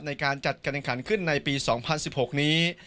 ในการจัดการแข่งขันขึ้นในปี๒๐๑๖นี้